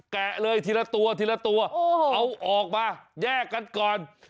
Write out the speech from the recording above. แกะเลยทีละตัวเอาออกมาแยกกันก่อน